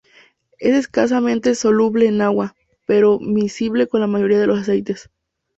Es escasamente soluble en agua, pero miscible con la mayoría de los aceites.